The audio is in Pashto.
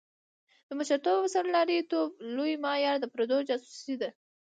د مشرتوب او سرلاري توب لوی معیار د پردو جاسوسي ده.